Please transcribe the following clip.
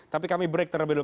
tapi kami break terlebih dahulu